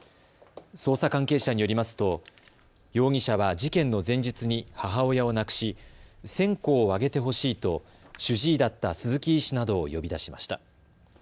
捜査関係者によりますと、容疑者は事件の前日に母親を亡くし線香を上げてほしいと主治医だった鈴木医師などを呼び出しました。